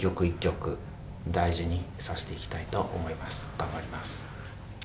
頑張ります。